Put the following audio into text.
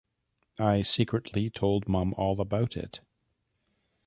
I secretly told mum all about it.